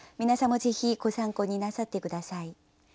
皆さんもぜひご参考になさって下さい。